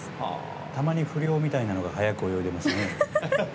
たまに不良みたいなのが速く泳いでますね。